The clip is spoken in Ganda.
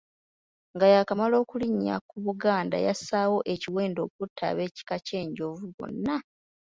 Nga yaakamala okulinnya ku Buganda, yassaawo ekiwendo okutta ab'ekika ky'Enjovu bonna.